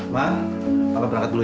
ma apa berangkat dulu ya